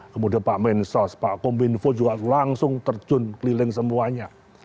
kemudian pak mensos pak kominfo juga langsung terjun keliling semuanya